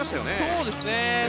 そうですね。